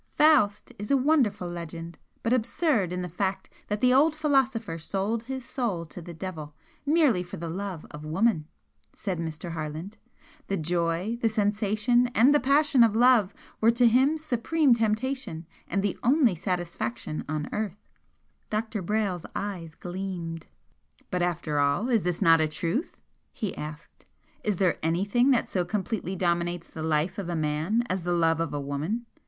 "'Faust' is a wonderful legend, but absurd in the fact that the old philosopher sold his soul to the Devil, merely for the love of woman," said Mr. Harland. "The joy, the sensation and the passion of love were to him supreme temptation and the only satisfaction on earth." Dr. Brayle's eyes gleamed. "But, after all, is this not a truth?" he asked "Is there anything that so completely dominates the life of a man as the love of a woman?